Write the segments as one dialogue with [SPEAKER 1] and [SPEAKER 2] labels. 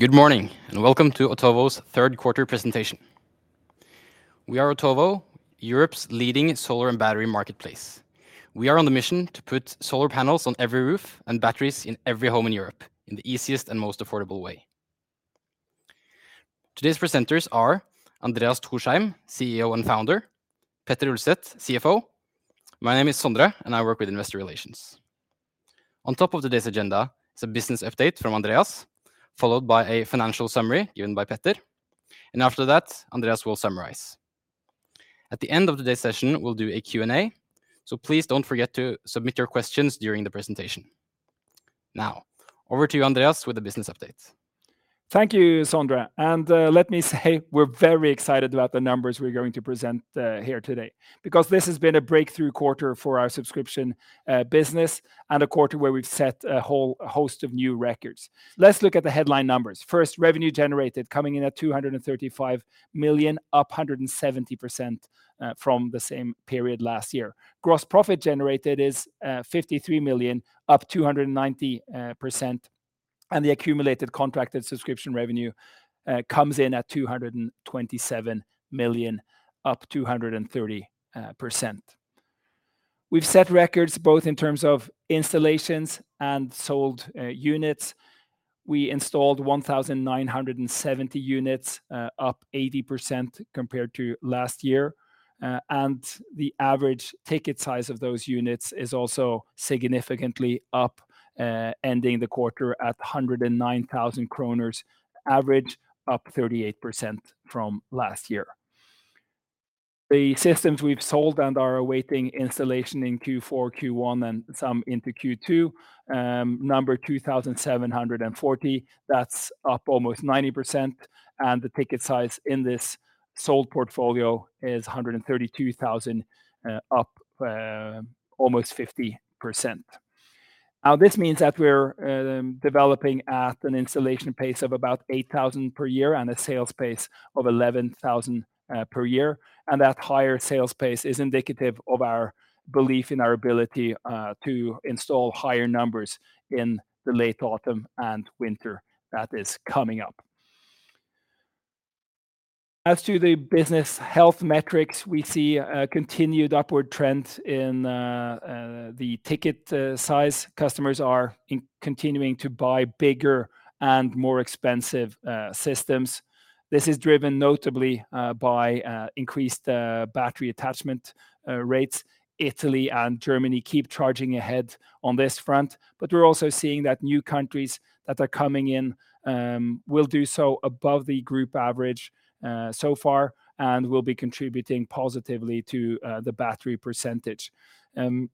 [SPEAKER 1] Good morning, and welcome to Otovo's Third Quarter Presentation. We are Otovo, Europe's leading solar and battery marketplace. We are on the mission to put solar panels on every roof and batteries in every home in Europe in the easiest and most affordable way. Today's presenters are Andreas Thorsheim, CEO and founder, Petter Ulset, CFO. My name is Sondre, and I work with Investor Relations. On top of today's agenda is a business update from Andreas, followed by a financial summary given by Petter, and after that, Andreas will summarize. At the end of today's session, we'll do a Q&A, so please don't forget to submit your questions during the presentation. Now, over to you, Andreas, with the business update.
[SPEAKER 2] Thank you, Sondre. Let me say we're very excited about the numbers we're going to present here today because this has been a breakthrough quarter for our subscription business and a quarter where we've set a whole host of new records. Let's look at the headline numbers. First, Revenue Generated coming in at 235 million, up 170% from the same period last year. Gross Profit Generated is 53 million, up 290%, and the Accumulated Contracted Subscription Revenue comes in at 227 million, up 230%. We've set records both in terms of installations and sold units. We installed 1,970 units, up 80% compared to last year, and the average ticket size of those units is also significantly up, ending the quarter at 109,000 kroner average, up 38% from last year. The systems we've sold and are awaiting installation in Q4, Q1, and some into Q2 number 2,740. That's up almost 90%, and the ticket size in this sold portfolio is 132,000, up almost 50%. Now, this means that we're developing at an installation pace of about 8,000 per year and a sales pace of 11,000 per year, and that higher sales pace is indicative of our belief in our ability to install higher numbers in the late autumn and winter that is coming up. As to the business health metrics, we see a continued upward trend in the ticket size. Customers are continuing to buy bigger and more expensive systems. This is driven notably by increased battery attachment rates. Italy and Germany keep charging ahead on this front, but we're also seeing that new countries that are coming in will do so above the group average so far and will be contributing positively to the battery percentage. In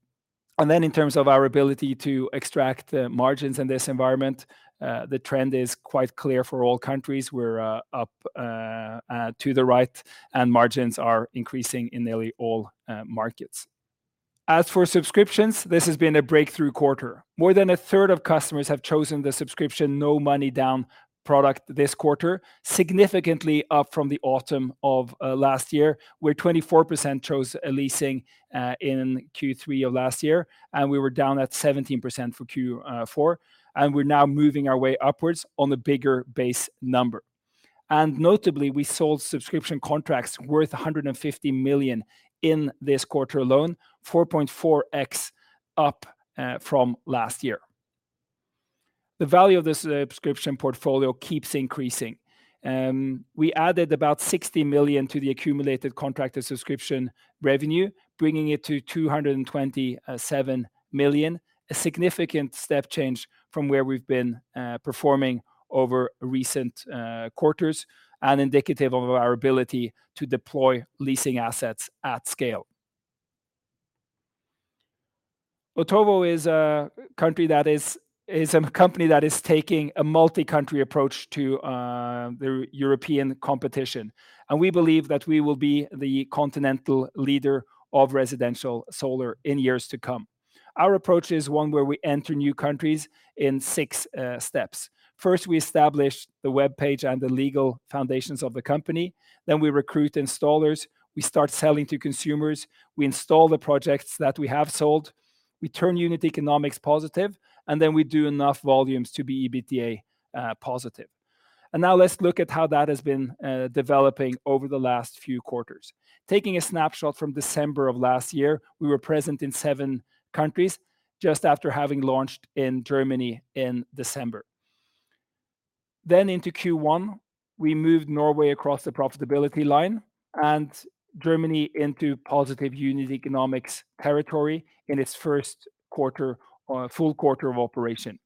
[SPEAKER 2] terms of our ability to extract margins in this environment, the trend is quite clear for all countries. We're up to the right, and margins are increasing in nearly all markets. As for subscriptions, this has been a breakthrough quarter, More than a third of customers have chosen the subscription no money down product this quarter, significantly up from the autumn of last year, where 24% chose a leasing in Q3 of last year, and we were down at 17% for Q4, and we're now moving our way upwards on a bigger base number. Notably, we sold subscription contracts worth 150 million in this quarter alone, 4.4x up from last year. The value of this subscription portfolio keeps increasing. We added about 60 million to the accumulated contracted subscription revenue, bringing it to 227 million, a significant step change from where we've been performing over recent quarters and indicative of our ability to deploy leasing assets at scale. Otovo is a company that is... is a company that is taking a multi-country approach to the European competition, and we believe that we will be the continental leader of residential solar in years to come. Our approach is one where we enter new countries in six steps. First, we establish the webpage and the legal foundations of the company. Then we recruit installers. We start selling to consumers. We install the projects that we have sold. We turn unit economics positive, and then we do enough volumes to be EBITDA positive. Now let's look at how that has been developing over the last few quarters. Taking a snapshot from December of last year, we were present in seven countries just after having launched in Germany in December. Into Q1, we moved Norway across the profitability line and Germany into positive unit economics territory in its first quarter or full quarter of operation.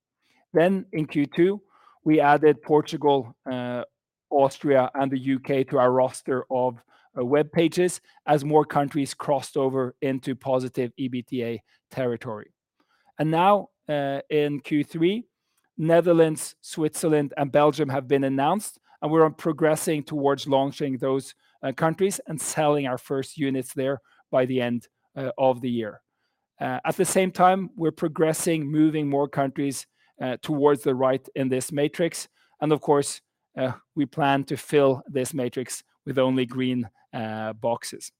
[SPEAKER 2] In Q2, we added Portugal, Austria, and the U.K. to our roster of webpages as more countries crossed over into positive EBITDA territory. Now, in Q3, Netherlands, Switzerland, and Belgium have been announced, and we're progressing towards launching those countries and selling our first units there by the end of the year. At the same time, we're progressing, moving more countries towards the right in this matrix and, of course, we plan to fill this matrix with only green boxes.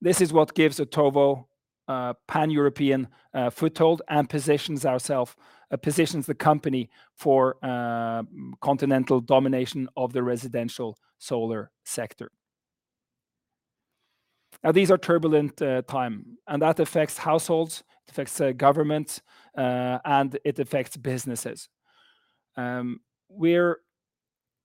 [SPEAKER 2] This is what gives Otovo a pan-European foothold and positions the company for continental domination of the residential solar sector. Now, these are turbulent times, and that affects households, it affects governments, and it affects businesses. We're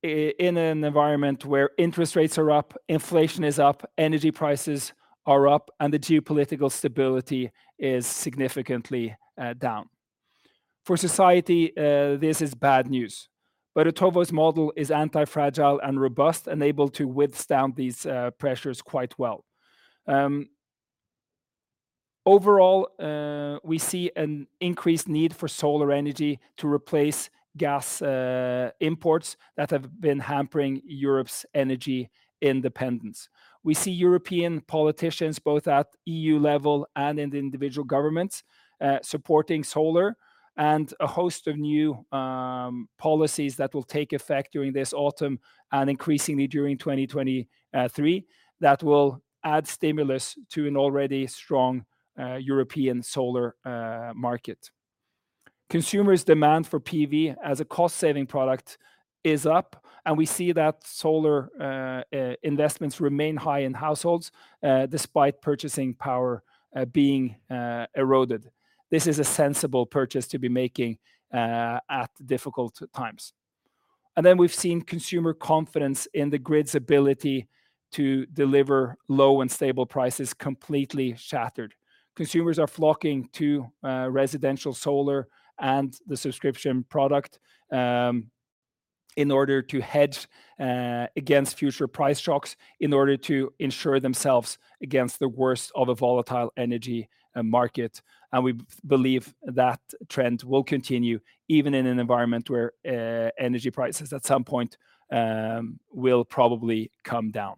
[SPEAKER 2] in an environment where interest rates are up, inflation is up, energy prices are up, and the geopolitical stability is significantly down. For society, this is bad news, but Otovo's model is anti-fragile and robust and able to withstand these pressures quite well. Overall, we see an increased need for solar energy to replace gas imports that have been hampering Europe's energy independence. We see European politicians, both at EU level and in the individual governments, supporting solar and a host of new policies that will take effect during this autumn and increasingly during 2023, that will add stimulus to an already strong European solar market. Consumers' demand for PV as a cost-saving product is up, and we see that solar investments remain high in households, despite purchasing power being eroded. This is a sensible purchase to be making at difficult times. We've seen consumer confidence in the grid's ability to deliver low and stable prices completely shattered. Consumers are flocking to residential solar and the subscription product in order to hedge against future price shocks, in order to insure themselves against the worst of a volatile energy market. We believe that trend will continue even in an environment where energy prices at some point will probably come down.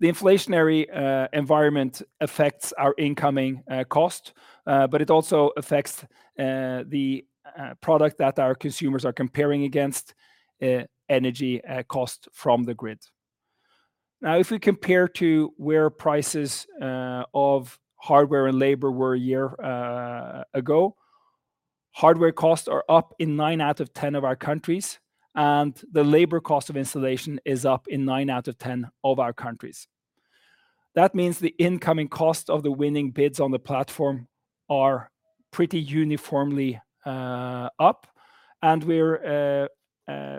[SPEAKER 2] The inflationary environment affects our incoming cost, but it also affects the product that our consumers are comparing against, energy cost from the grid. Now, if we compare to where prices of hardware and labor were a year ago, hardware costs are up in nine out of 10 of our countries, and the labor cost of installation is up in nine out of 10 of our countries. That means the incoming cost of the winning bids on the platform are pretty uniformly up. We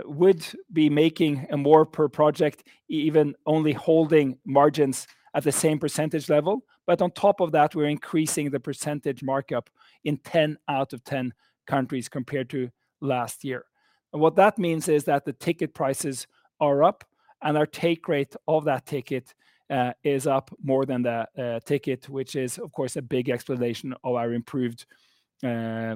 [SPEAKER 2] would be making more per project even only holding margins at the same percentage level. On top of that, we're increasing the percentage markup in 10 out of 10 countries compared to last year. What that means is that the ticket prices are up and our take rate of that ticket is up more than the ticket, which is, of course, a big explanation of our improved Gross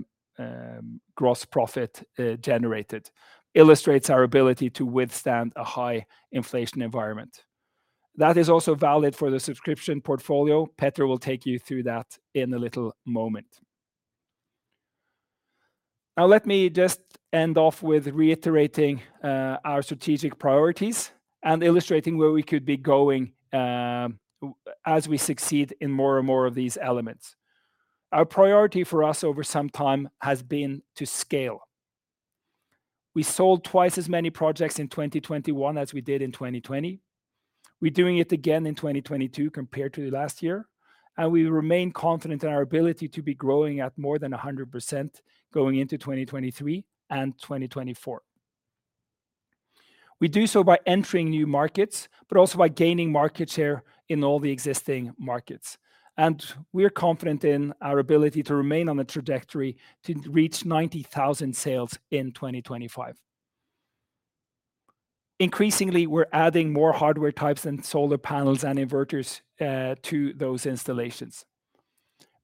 [SPEAKER 2] Profit Generated. illustrates our ability to withstand a high inflation environment. That is also valid for the subscription portfolio. Petter Ulset will take you through that in a little moment. Now let me just end off with reiterating our strategic priorities and illustrating where we could be going, as we succeed in more and more of these elements. Our priority for us over some time has been to scale. We sold twice as many projects in 2021 as we did in 2020. We're doing it again in 2022 compared to last year, and we remain confident in our ability to be growing at more than 100% going into 2023 and 2024. We do so by entering new markets, but also by gaining market share in all the existing markets. We're confident in our ability to remain on the trajectory to reach 90,000 sales in 2025. Increasingly, we're adding more hardware types than solar panels and inverters to those installations.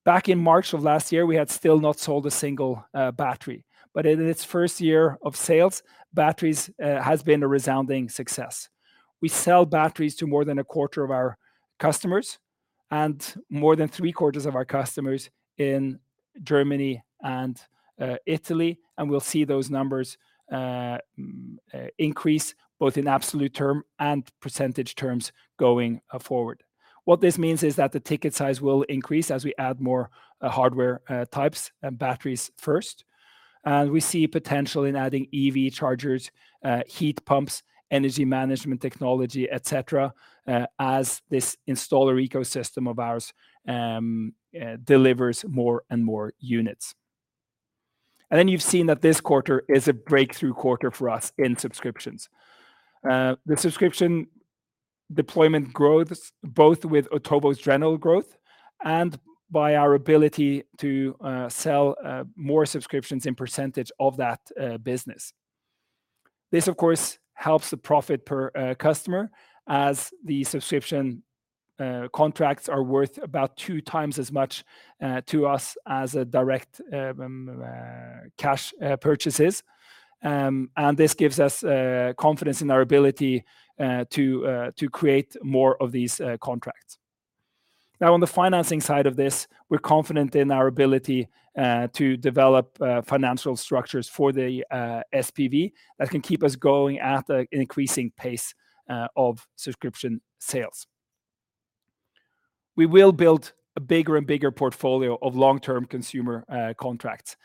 [SPEAKER 2] Back in March of last year, we had still not sold a single battery, but in its first year of sales, batteries has been a resounding success. We sell batteries to more than a quarter of our customers and more than three-quarters of our customers in Germany and Italy, and we'll see those numbers increase both in absolute term and percentage terms going forward. What this means is that the ticket size will increase as we add more hardware types and batteries first. We see potential in adding EV chargers, heat pumps, energy management technology, et cetera, as this installer ecosystem of ours delivers more and more units. You've seen that this quarter is a breakthrough quarter for us in subscriptions. The subscription deployment growth, both with Otovo's general growth and by our ability to sell more subscriptions as a percentage of that business. This, of course, helps the profit per customer as the subscription contracts are worth about 2x as much to us as a direct cash purchase. This gives us confidence in our ability to create more of these contracts. Now on the financing side of this, we're confident in our ability to develop financial structures for the SPV that can keep us going at an increasing pace of subscription sales. We will build a bigger and bigger portfolio of long-term consumer contracts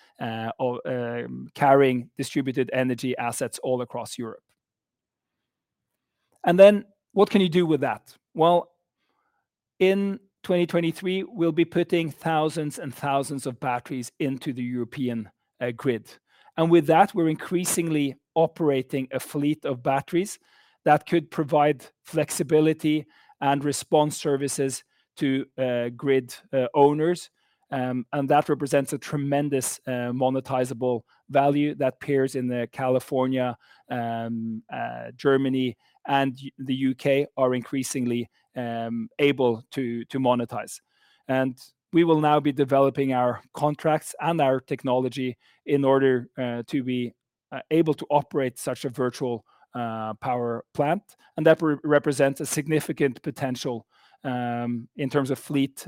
[SPEAKER 2] carrying distributed energy assets all across Europe. What can you do with that? Well, in 2023, we'll be putting thousands and thousands of batteries into the European grid. With that, we're increasingly operating a fleet of batteries that could provide flexibility and response services to grid owners. That represents a tremendous monetizable value that peers in California, Germany and the U.K. are increasingly able to monetize. We will now be developing our contracts and our technology in order to be able to operate such a virtual power plant. That represents a significant potential in terms of fleet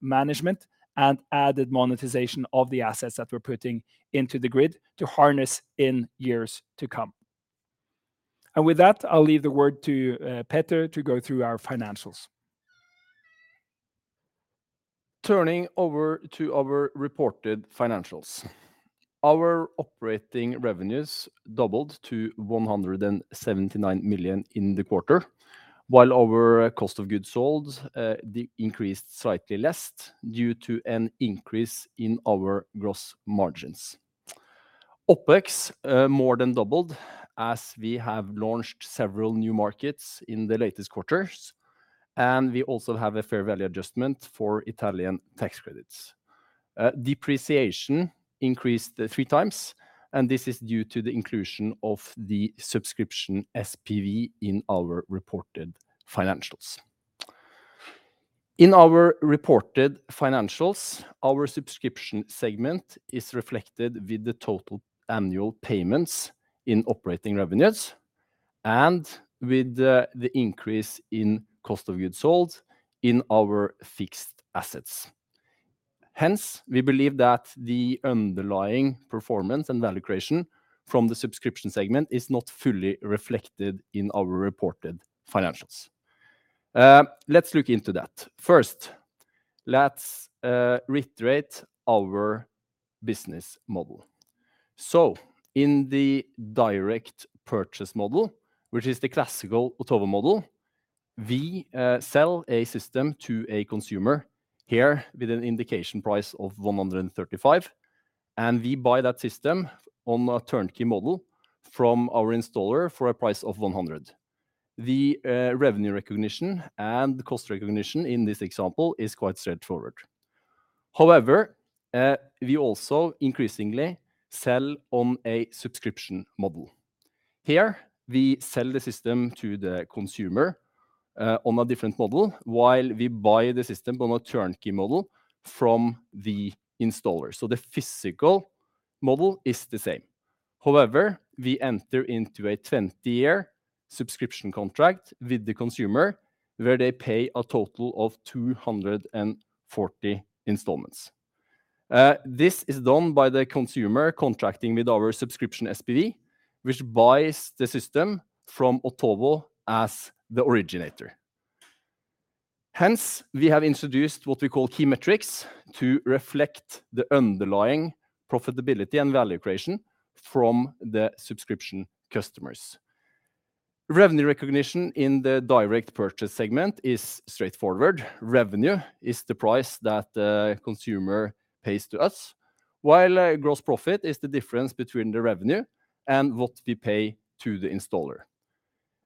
[SPEAKER 2] management and added monetization of the assets that we're putting into the grid to harness in years to come. With that, I'll leave the word to Petter to go through our financials.
[SPEAKER 3] Turning over to our reported financials. Our operating revenues doubled to 179 million in the quarter, while our cost of goods sold increased slightly less due to an increase in our gross margins. OpEx more than doubled as we have launched several new markets in the latest quarters, and we also have a fair value adjustment for Italian tax credits. Depreciation increased 3x, and this is due to the inclusion of the subscription SPV in our reported financials. In our reported financials, our subscription segment is reflected with the total annual payments in operating revenues and with the increase in cost of goods sold in our fixed assets. Hence, we believe that the underlying performance and value creation from the subscription segment is not fully reflected in our reported financials. Let's look into that. First, let's reiterate our business model. In the direct purchase model, which is the classical Otovo model, we sell a system to a consumer, here with an indication price of 135, and we buy that system on a turnkey model from our installer for a price of 100. The revenue recognition and the cost recognition in this example is quite straightforward. However, we also increasingly sell on a subscription model. Here, we sell the system to the consumer on a different model, while we buy the system on a turnkey model from the installer. The physical model is the same. However, we enter into a 20-year subscription contract with the consumer, where they pay a total of 240 installments. This is done by the consumer contracting with our subscription SPV, which buys the system from Otovo as the originator. Hence, we have introduced what we call key metrics to reflect the underlying profitability and value creation from the subscription customers. Revenue recognition in the direct purchase segment is straightforward. Revenue is the price that the consumer pays to us, while gross profit is the difference between the revenue and what we pay to the installer.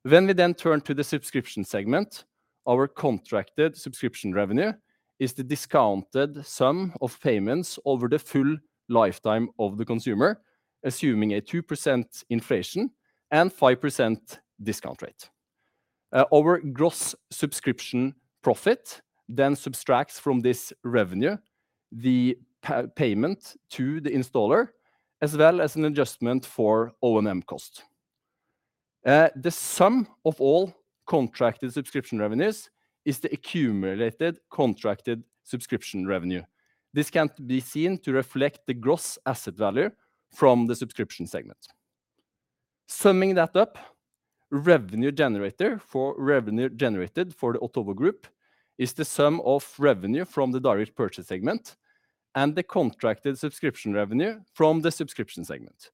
[SPEAKER 3] When we then turn to the subscription segment, our Contracted Subscription Revenue is the discounted sum of payments over the full lifetime of the consumer, assuming a 2% inflation and 5% discount rate. Our Gross Subscription Profit then subtracts from this revenue the payment to the installer, as well as an adjustment for O&M cost. The sum of all contracted subscription revenues is the Accumulated Contracted Subscription Revenue. This can be seen to reflect the gross asset value from the subscription segment. Summing that up, Revenue Generated for... Revenue Generated for the Otovo Group is the sum of revenue from the direct purchase segment and the Contracted Subscription Revenue from the subscription segment.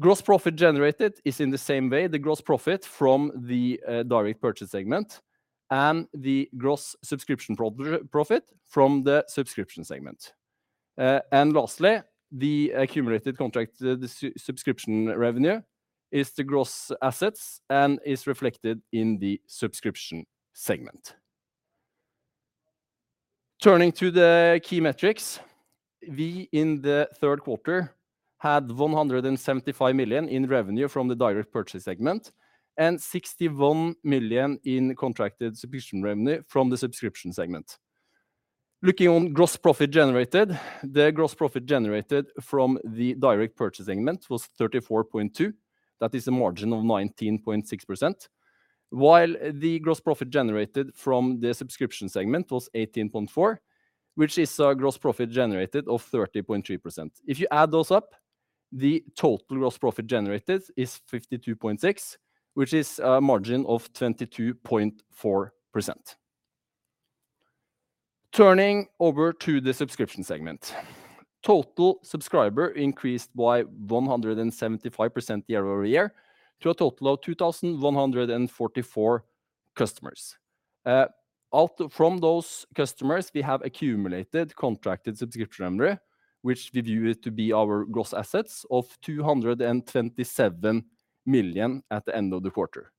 [SPEAKER 3] Gross Profit Generated is in the same way the gross profit from the direct purchase segment and the Gross Subscription Profit from the subscription segment. Lastly, the Accumulated Contracted Subscription Revenue is the gross assets and is reflected in the subscription segment. Turning to the key metrics, we in the third quarter had 175 million in revenue from the direct purchase segment and 61 million in Contracted Subscription Revenue from the subscription segment. Looking at Gross Profit Generated, the Gross Profit Generated from the direct purchase segment was 34.2. That is a margin of 19.6%. While the Gross Profit Generated from the subscription segment was 18.4, which is a Gross Profit Generated of 30.3%. If you add those up, the total Gross Profit Generated is 52.6, which is a margin of 22.4%. Turning over to the subscription segment. Total subscribers increased by 175% year-over-year to a total of 2,144 customers. Out of those customers, we have Accumulated Contracted Subscription Revenue, which we view it to be our gross assets of 227 million at the end of the quarter.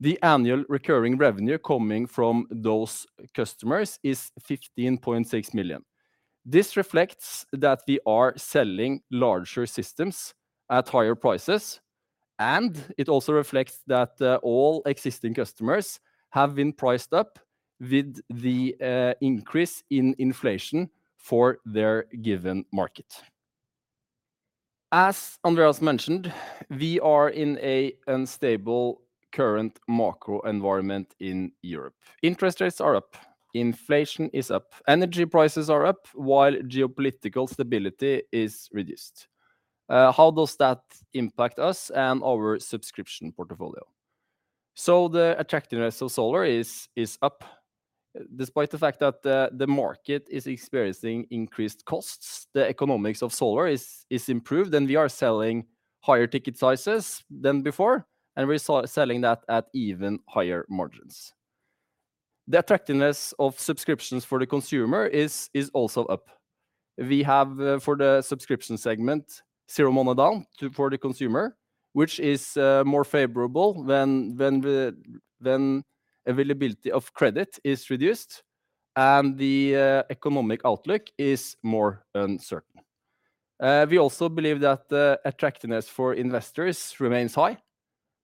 [SPEAKER 3] The annual recurring revenue coming from those customers is 15.6 million. This reflects that we are selling larger systems at higher prices, and it also reflects that all existing customers have been priced up with the increase in inflation for their given market. As Andreas mentioned, we are in an unstable current macro environment in Europe. Interest rates are up, inflation is up, energy prices are up, while geopolitical stability is reduced. How does that impact us and our subscription portfolio? The attractiveness of solar is up despite the fact that the market is experiencing increased costs. The economics of solar is improved, and we are selling higher ticket sizes than before, and we're selling that at even higher margins. The attractiveness of subscriptions for the consumer is also up. We have for the subscription segment, zero money down for the consumer, which is more favorable when availability of credit is reduced and the economic outlook is more uncertain. We also believe that the attractiveness for investors remains high.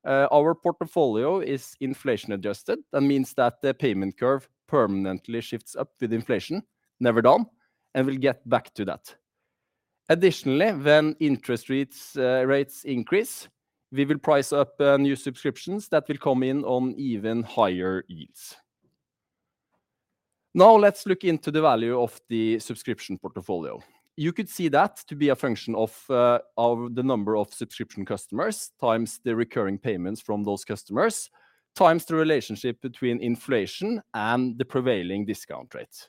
[SPEAKER 3] Our portfolio is inflation adjusted and means that the payment curve permanently shifts up with inflation, never down, and we'll get back to that. Additionally, when interest rates increase, we will price up new subscriptions that will come in on even higher yields. Now let's look into the value of the subscription portfolio. You could see that to be a function of the number of subscription customers times the recurring payments from those customers, times the relationship between inflation and the prevailing discount rates.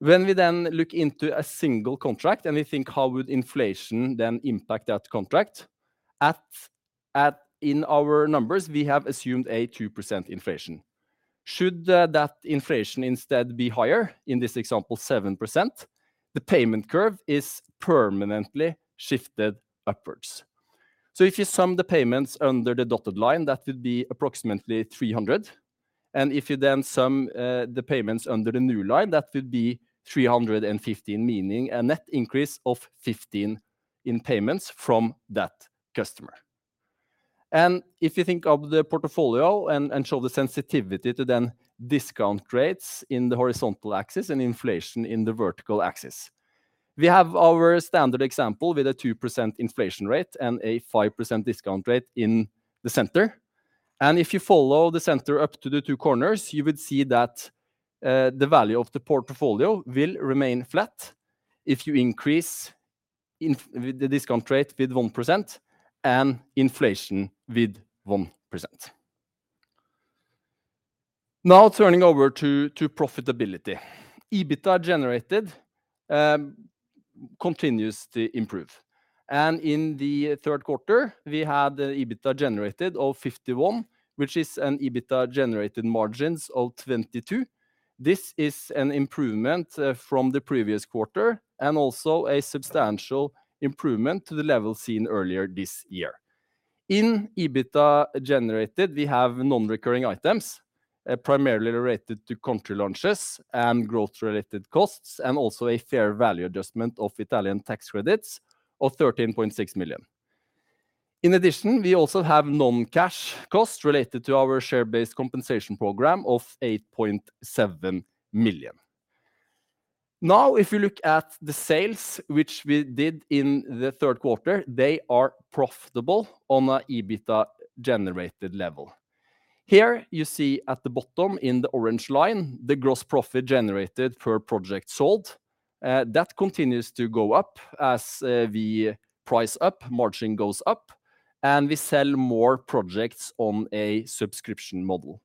[SPEAKER 3] When we then look into a single contract and we think how would inflation then impact that contract, in our numbers, we have assumed a 2% inflation. Should that inflation instead be higher, in this example, 7%, the payment curve is permanently shifted upwards. If you sum the payments under the dotted line, that would be approximately 300, and if you then sum the payments under the new line, that would be 315, meaning a net increase of 15 in payments from that customer. If you think of the portfolio and show the sensitivity to the discount rates in the horizontal axis and inflation in the vertical axis. We have our standard example with a 2% inflation rate and a 5% discount rate in the center. If you follow the center up to the two corners, you would see that the value of the portfolio will remain flat if you increase the discount rate by 1% and inflation by 1%. Now turning over to profitability. EBITDA generated continues to improve. In the third quarter, we had the EBITDA generated of 51 million, which is an EBITDA generated margin of 22%. This is an improvement from the previous quarter and also a substantial improvement to the level seen earlier this year. In EBITDA generated, we have non-recurring items primarily related to country launches and growth-related costs, and also a fair value adjustment of Italian tax credits of 13.6 million. In addition, we also have non-cash costs related to our share-based compensation program of 8.7 million. Now, if you look at the sales which we did in the third quarter, they are profitable on a EBITDA generated level. Here you see at the bottom in the orange line, the gross profit generated per project sold. That continues to go up as we price up, margin goes up, and we sell more projects on a subscription model.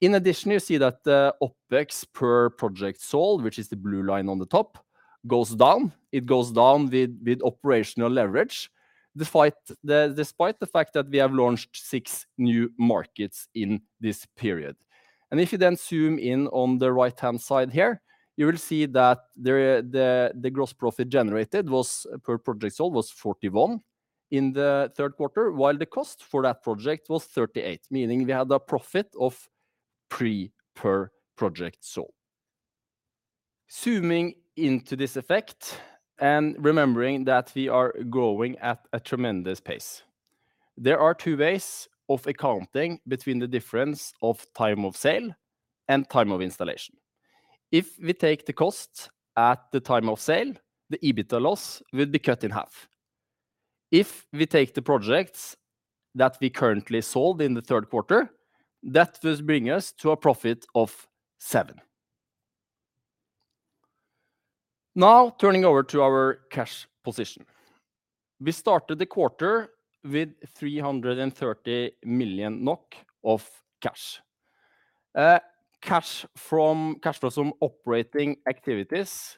[SPEAKER 3] In addition, you see that the OpEx per project sold, which is the blue line on the top, goes down. It goes down with operational leverage, despite the fact that we have launched six new markets in this period. If you then zoom in on the right-hand side here, you will see that the gross profit generated was, per project sold, 41 in the third quarter, while the cost for that project was 38, meaning we had a profit of three per project sold. Zooming into this effect and remembering that we are growing at a tremendous pace. There are two ways of accounting between the difference of time of sale and time of installation. If we take the cost at the time of sale, the EBITDA loss will be cut in half. If we take the projects that we currently sold in the third quarter, that will bring us to a profit of seven. Now turning over to our cash position. We started the quarter with 330 million NOK of cash. Cash flow from operating activities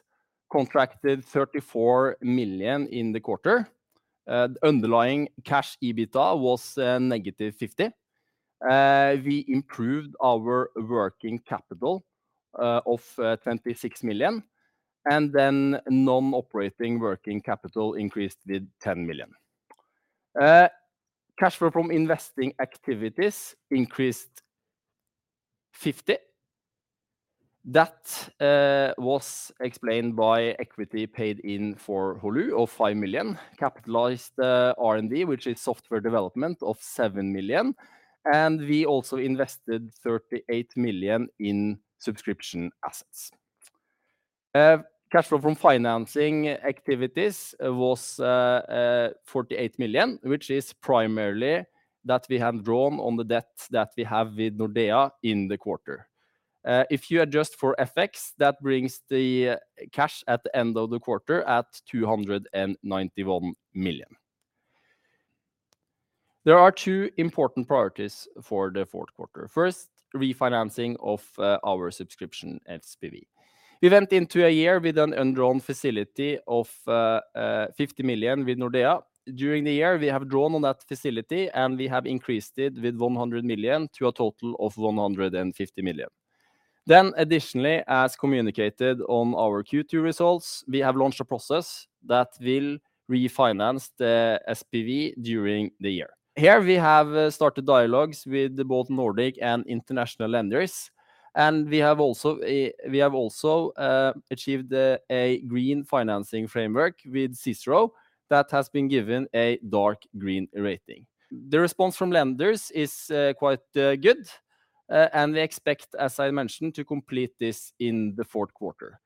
[SPEAKER 3] contracted 34 million in the quarter. Underlying cash EBITDA was -50. We improved our working capital of 26 million, and then non-operating working capital increased with 10 million. Cash flow from investing activities increased 50. That was explained by equity paid in for Holu of 5 million, capitalized R&D, which is software development of 7 million, and we also invested 38 million in subscription assets. Cash flow from financing activities was 48 million, which is primarily that we have drawn on the debt that we have with Nordea in the quarter. If you adjust for FX, that brings the cash at the end of the quarter at 291 million. There are two important priorities for the fourth quarter. First, refinancing of our subscription SPV. We went into a year with an undrawn facility of 50 million with Nordea. During the year, we have drawn on that facility, and we have increased it with 100 million to a total of 150 million. Additionally, as communicated on our Q2 results, we have launched a process that will refinance the SPV during the year. Here we have started dialogues with both Nordic and international lenders, and we have also achieved a Green Financing Framework with CICERO that has been given a dark green rating. The response from lenders is quite good, and we expect, as I mentioned, to complete this in the fourth quarter.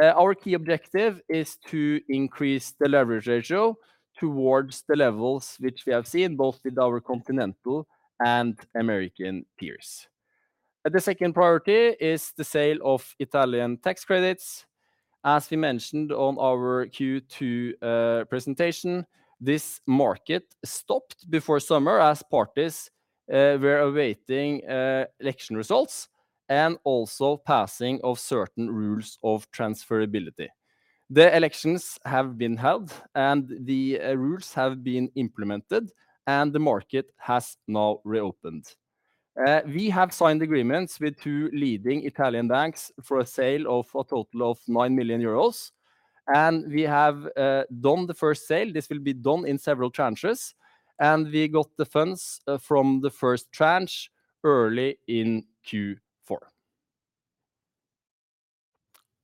[SPEAKER 3] Our key objective is to increase the leverage ratio towards the levels which we have seen both with our continental and American peers. The second priority is the sale of Italian tax credits. As we mentioned on our Q2 presentation, this market stopped before summer as parties were awaiting election results and also passing of certain rules of transferability. The elections have been held, and the rules have been implemented, and the market has now reopened. We have signed agreements with two leading Italian banks for a sale of a total of 9 million euros, and we have done the first sale. This will be done in several tranches, and we got the funds from the first tranche early in Q4.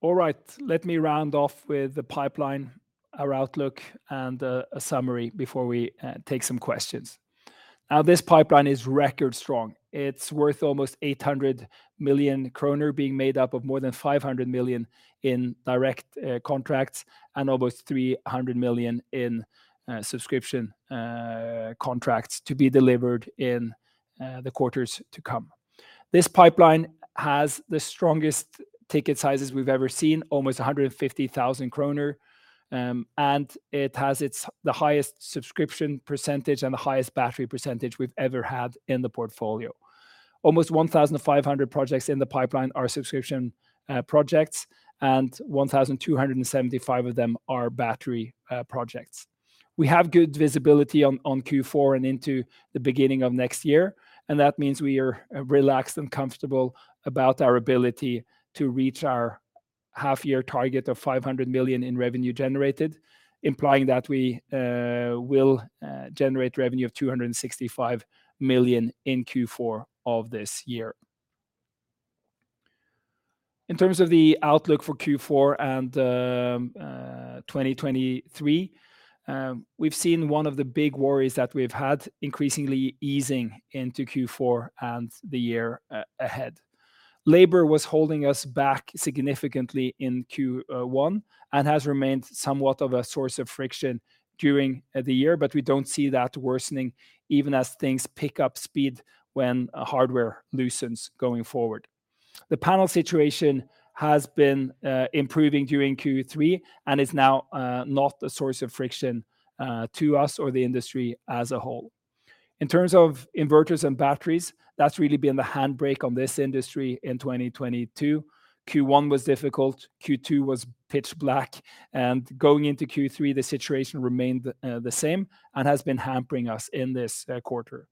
[SPEAKER 2] All right, let me round off with the pipeline, our outlook, and a summary before we take some questions. Now, this pipeline is record strong. It's worth almost 800 million kroner being made up of more than 500 million in direct contracts and almost 300 million in subscription contracts to be delivered in the quarters to come. This pipeline has the strongest ticket sizes we've ever seen, almost 150,000 kroner, and it has the highest subscription percentage and the highest battery percentage we've ever had in the portfolio. Almost 1,500 projects in the pipeline are subscription projects, and 1,275 of them are battery projects. We have good visibility on Q4 and into the beginning of next year, and that means we are relaxed and comfortable about our ability to reach our half-year target of 500 million in revenue generated, implying that we will generate revenue of 265 million in Q4 of this year. In terms of the outlook for Q4 and 2023, we've seen one of the big worries that we've had increasingly easing into Q4 and the year ahead. Labor was holding us back significantly in Q1 and has remained somewhat of a source of friction during the year, but we don't see that worsening even as things pick up speed when hardware loosens going forward. The panel situation has been improving during Q3 and is now not a source of friction to us or the industry as a whole. In terms of inverters and batteries, that's really been the handbrake on this industry in 2022. Q1 was difficult, Q2 was pitch black, and going into Q3, the situation remained the same and has been hampering us in this quarter.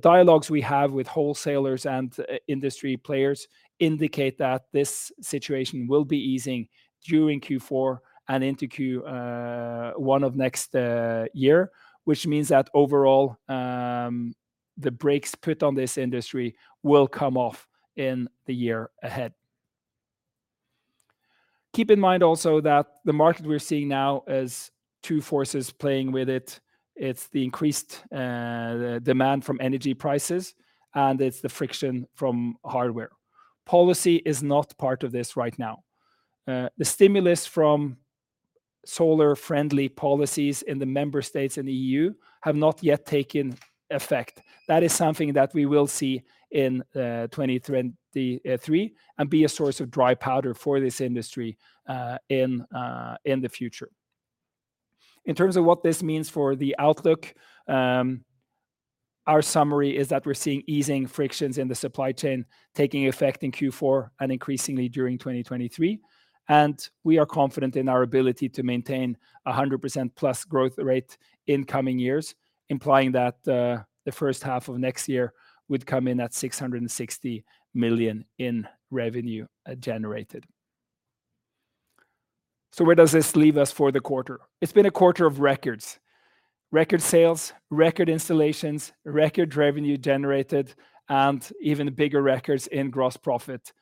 [SPEAKER 2] Dialogues we have with wholesalers and industry players indicate that this situation will be easing during Q4 and into Q1 of next year, which means that overall, the brakes put on this industry will come off in the year ahead. Keep in mind also that the market we're seeing now is two forces playing with it. It's the increased demand from energy prices, and it's the friction from hardware. Policy is not part of this right now. The stimulus from solar-friendly policies in the member states in the EU have not yet taken effect. That is something that we will see in 2033, and be a source of dry powder for this industry in the future. In terms of what this means for the outlook, our summary is that we're seeing easing frictions in the supply chain taking effect in Q4 and increasingly during 2023, and we are confident in our ability to maintain 100%+ growth rate in coming years, implying that the first half of next year would come in at 660 million in Revenue Generated. Where does this leave us for the quarter? It's been a quarter of records. Record sales, record installations, record revenue generated, and even bigger records in gross profit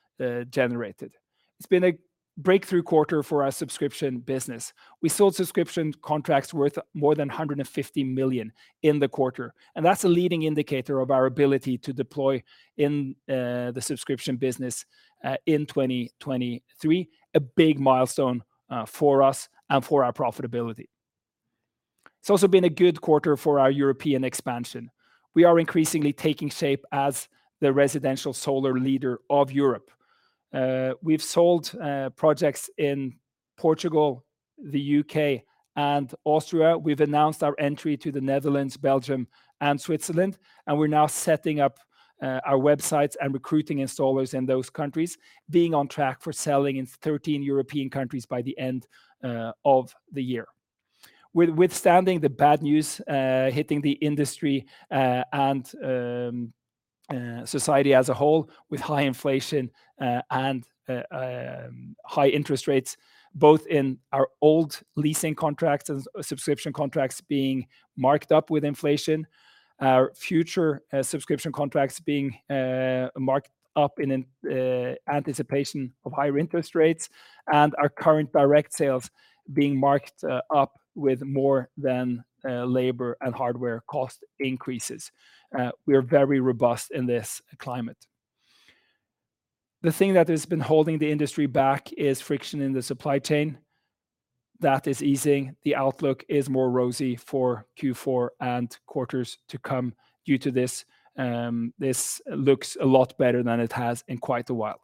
[SPEAKER 2] generated. It's been a breakthrough quarter for our subscription business. We sold subscription contracts worth more than 150 million in the quarter, and that's a leading indicator of our ability to deploy in the subscription business in 2023, a big milestone for us and for our profitability. It's also been a good quarter for our European expansion. We are increasingly taking shape as the residential solar leader of Europe. We've sold projects in Portugal, the U.K., and Austria. We've announced our entry to the Netherlands, Belgium, and Switzerland, and we're now setting up our websites and recruiting installers in those countries, being on track for selling in 13 European countries by the end of the year. Withstanding the bad news hitting the industry and society as a whole with high inflation and high interest rates, both in our old leasing contracts and subscription contracts being marked up with inflation, our future subscription contracts being marked up in anticipation of higher interest rates, and our current direct sales being marked up with more than labor and hardware cost increases. We are very robust in this climate. The thing that has been holding the industry back is friction in the supply chain. That is easing. The outlook is more rosy for Q4 and quarters to come due to this. This looks a lot better than it has in quite a while.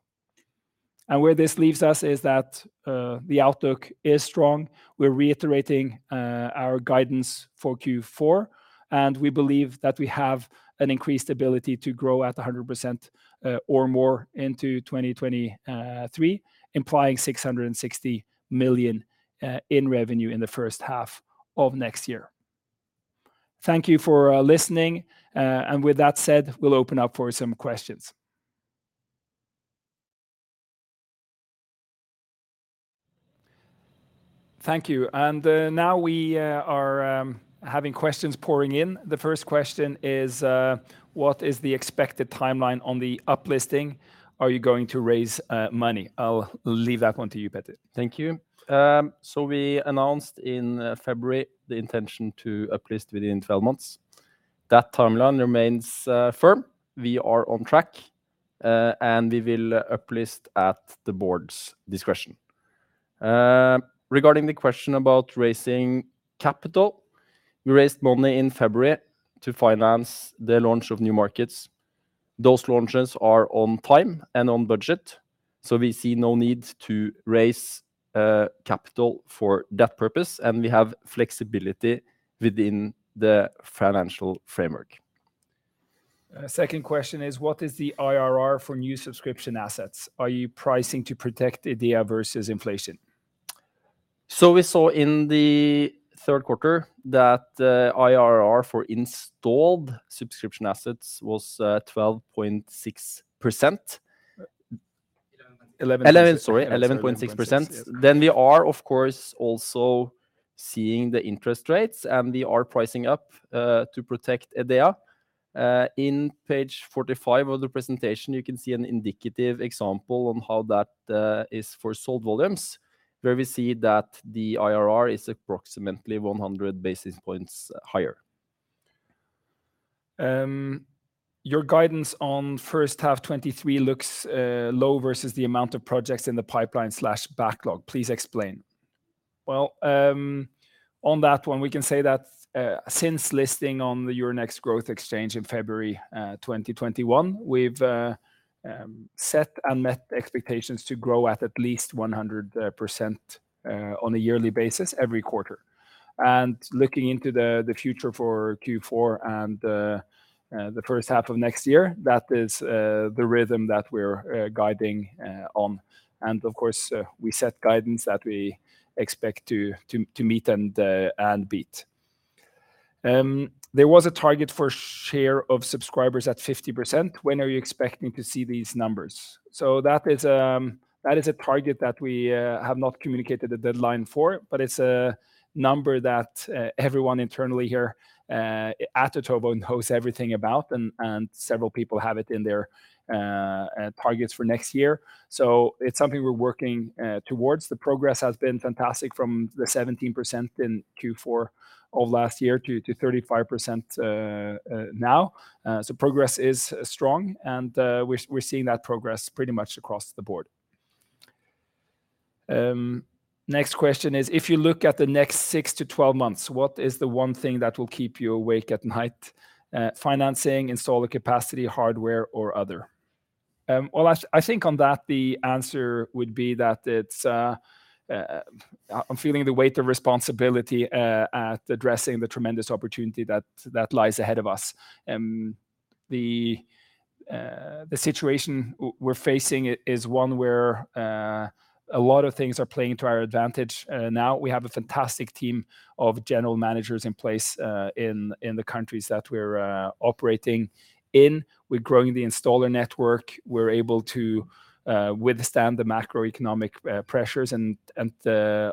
[SPEAKER 2] Where this leaves us is that the outlook is strong. We're reiterating our guidance for Q4, and we believe that we have an increased ability to grow at 100% or more into 2023, implying 660 million in revenue in the first half of next year. Thank you for listening. With that said, we'll open up for some questions. Thank you. Now we are having questions pouring in. The first question is what is the expected timeline on the uplisting? Are you going to raise money? I'll leave that one to you, Petter.
[SPEAKER 3] Thank you. We announced in February the intention to uplist within 12 months. That timeline remains firm. We are on track, and we will uplist at the board's discretion. Regarding the question about raising capital, we raised money in February to finance the launch of new markets. Those launches are on time and on budget, so we see no need to raise capital for that purpose, and we have flexibility within the financial framework.
[SPEAKER 2] Second question is, what is the IRR for new subscription assets? Are you pricing to protect EBITDA versus inflation?
[SPEAKER 3] We saw in the third quarter that IRR for installed subscription assets was 12.6%.
[SPEAKER 2] 11.6%.
[SPEAKER 3] 11%, sorry. 11.6%. We are, of course, also seeing the interest rates, and we are pricing up to protect EBITDA. In page 45 of the presentation, you can see an indicative example on how that is for sold volumes, where we see that the IRR is approximately 100 basis points higher.
[SPEAKER 2] Your guidance on first half 2023 looks low versus the amount of projects in the pipeline/backlog. Please explain. Well, on that one, we can say that since listing on the Euronext Growth in February 2021, we've set and met expectations to grow at least 100% on a yearly basis every quarter. Looking into the future for Q4 and the first half of next year, that is the rhythm that we're guiding on. Of course, we set guidance that we expect to meet and beat. There was a target for share of subscribers at 50%. When are you expecting to see these numbers? That is a target that we have not communicated a deadline for, but it's a number that everyone internally here at Otovo knows everything about and several people have it in their targets for next year. It's something we're working towards. The progress has been fantastic from the 17% in Q4 of last year to 35% now. Progress is strong and we're seeing that progress pretty much across the board. Next question is. If you look at the next 6 to 12 months, what is the one thing that will keep you awake at night? Financing, installer capacity, hardware, or other? Well, I think on that the answer would be that it's, I'm feeling the weight of responsibility at addressing the tremendous opportunity that lies ahead of us. The situation we're facing is one where a lot of things are playing to our advantage now. We have a fantastic team of general managers in place in the countries that we're operating in. We're growing the installer network. We're able to withstand the macroeconomic pressures and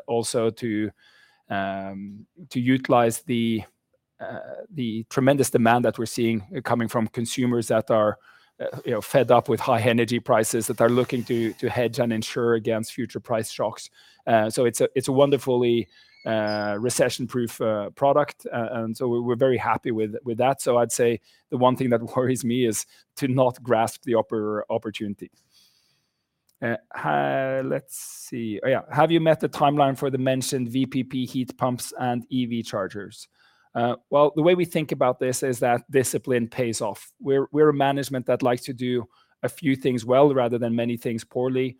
[SPEAKER 2] also to utilize the tremendous demand that we're seeing coming from consumers that are you know fed up with high energy prices that are looking to hedge and insure against future price shocks. It's a wonderfully recession-proof product. We're very happy with that. I'd say the one thing that worries me is to not grasp the opportunity. Have you met the timeline for the mentioned VPP heat pumps and EV chargers? Well, the way we think about this is that discipline pays off. We're a management that likes to do a few things well rather than many things poorly.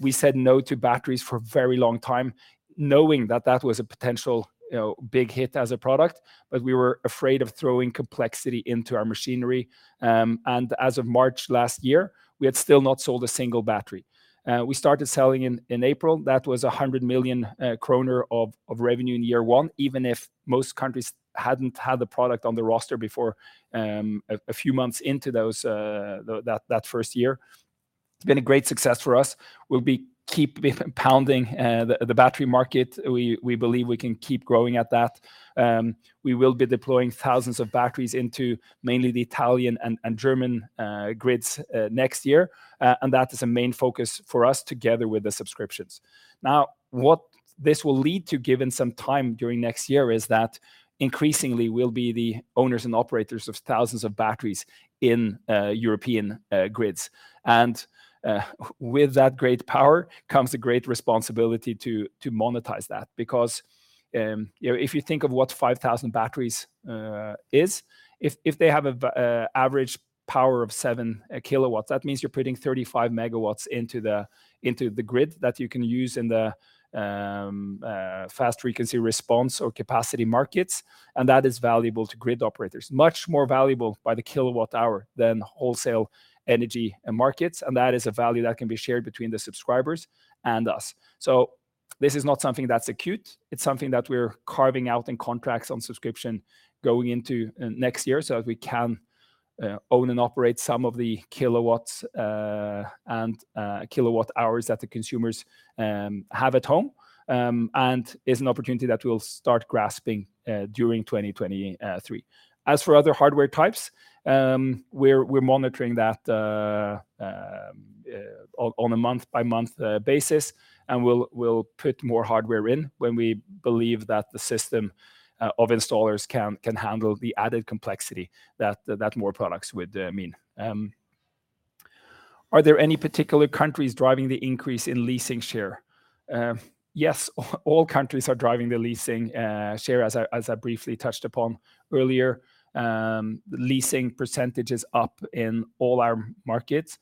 [SPEAKER 2] We said no to batteries for a very long time knowing that that was a potential, you know, big hit as a product, but we were afraid of throwing complexity into our machinery. As of March last year, we had still not sold a single battery. We started selling in April. That was 100 million kroner of revenue in year one, even if most countries hadn't had the product on the roster before a few months into those that first year. It's been a great success for us. We'll keep pounding the battery market. We believe we can keep growing at that. We will be deploying thousands of batteries into mainly the Italian and German grids next year. That is a main focus for us together with the subscriptions. Now, what this will lead to given some time during next year is that increasingly we'll be the owners and operators of thousands of batteries in European grids. With that great power comes a great responsibility to monetize that because, you know, if you think of what 5,000 batteries is, if they have an average power of 7 kW, that means you're putting 35 MW into the grid that you can use in the fast frequency response or capacity markets, and that is valuable to grid operators. Much more valuable by the kWh than wholesale energy markets, and that is a value that can be shared between the subscribers and us. This is not something that's acute. It's something that we're carving out in contracts on subscription going into next year so that we can own and operate some of the kilowatts and kilowatt hours that the consumers have at home and is an opportunity that we'll start grasping during 2023. As for other hardware types, we're monitoring that on a month-by-month basis, and we'll put more hardware in when we believe that the system of installers can handle the added complexity that more products would mean. Are there any particular countries driving the increase in leasing share? Yes, all countries are driving the leasing share as I briefly touched upon earlier. Leasing percentage is up in all our markets.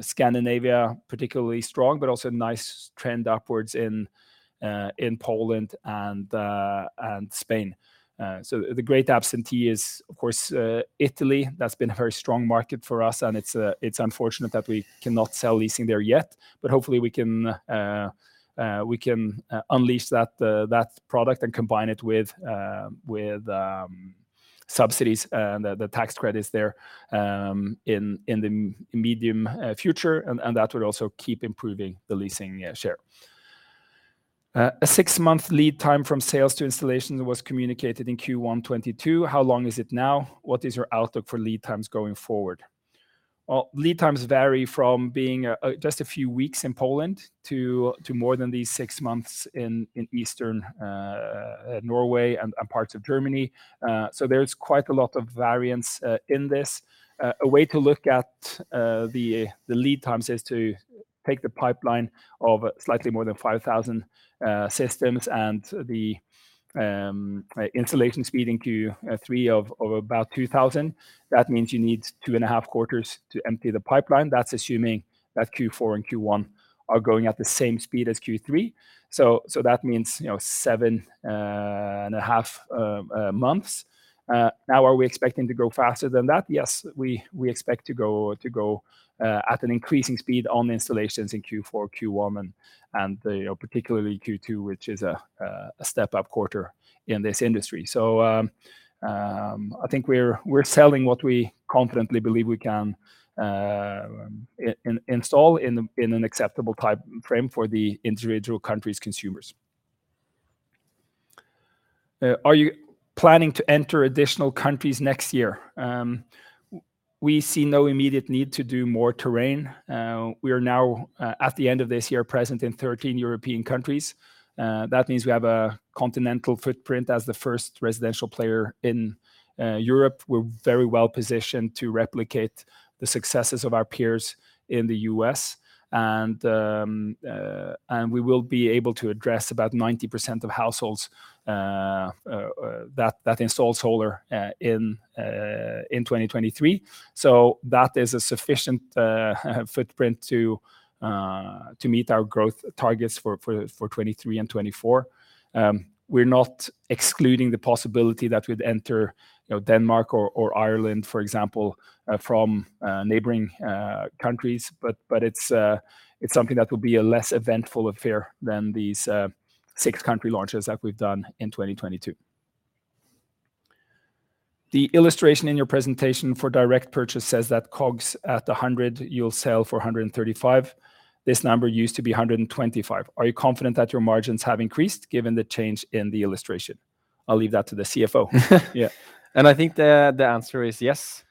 [SPEAKER 2] Scandinavia particularly strong but also nice trend upwards in Poland and Spain. The great absentee is of course Italy. That's been a very strong market for us, and it's unfortunate that we cannot sell leasing there yet. Hopefully we can unleash that product and combine it with subsidies and the tax credits there in the medium future and that would also keep improving the leasing share. A six-month lead time from sales to installations was communicated in Q1 2022. How long is it now? What is your outlook for lead times going forward? Well, lead times vary from being just a few weeks in Poland to more than these six months in Eastern Norway and parts of Germany. There's quite a lot of variance in this. A way to look at the lead times is to take the pipeline of slightly more than 5,000 systems and the installation speed in Q3 of about 2,000. That means you need two and a half quarters to empty the pipeline. That's assuming that Q4 and Q1 are going at the same speed as Q3. That means, you know, seven and a half months. Now are we expecting to grow faster than that? Yes, we expect to go at an increasing speed on installations in Q4, Q1, and particularly Q2, which is a step-up quarter in this industry. I think we're selling what we confidently believe we can install in an acceptable time frame for the individual country's consumers. Are you planning to enter additional countries next year? We see no immediate need to do more therein. We are now at the end of this year present in 13 European countries. That means we have a continental footprint as the first residential player in Europe. We're very well positioned to replicate the successes of our peers in the U.S. and we will be able to address about 90% of households that install solar in 2023. That is a sufficient footprint to meet our growth targets for 2023 and 2024. We're not excluding the possibility that we'd enter, you know, Denmark or Ireland, for example, from neighboring countries. It's something that will be a less eventful affair than these six country launches that we've done in 2022. The illustration in your presentation for direct purchase says that COGS at 100, you'll sell for 135. This number used to be 125. Are you confident that your margins have increased given the change in the illustration? I'll leave that to the CFO.
[SPEAKER 3] Yeah. I think the answer is yes.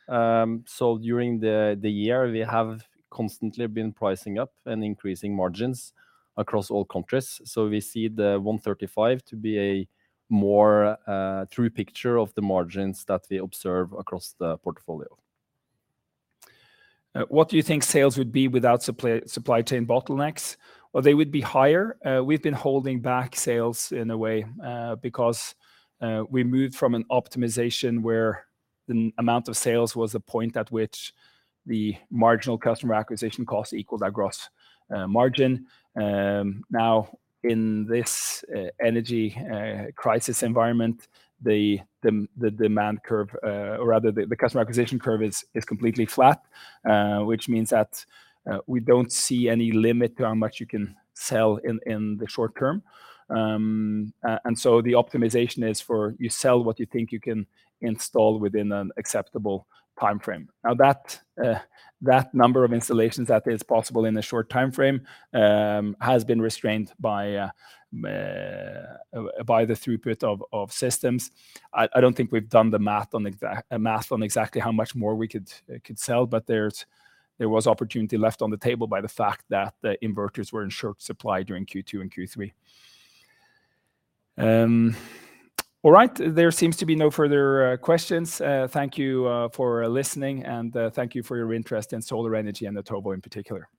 [SPEAKER 3] During the year, we have constantly been pricing up and increasing margins across all countries. We see the 135 to be a more true picture of the margins that we observe across the portfolio.
[SPEAKER 2] What do you think sales would be without supply chain bottlenecks? Well, they would be higher. We've been holding back sales in a way, because we moved from an optimization where the amount of sales was the point at which the marginal customer acquisition cost equals our gross margin. Now in this energy crisis environment, the demand curve, or rather the customer acquisition curve is completely flat. Which means that we don't see any limit to how much you can sell in the short term. The optimization is for you sell what you think you can install within an acceptable timeframe. Now that number of installations that is possible in a short timeframe has been restrained by the throughput of systems. I don't think we've done the math on exactly how much more we could sell, but there was opportunity left on the table by the fact that the inverters were in short supply during Q2 and Q3. All right. There seems to be no further questions. Thank you for listening and thank you for your interest in solar energy and Otovo in particular.